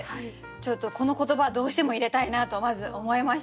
ちょっとこの言葉どうしても入れたいなとまず思いました。